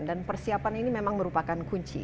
dan persiapan ini memang merupakan kunci